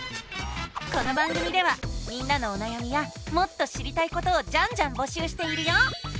この番組ではみんなのおなやみやもっと知りたいことをジャンジャンぼしゅうしているよ！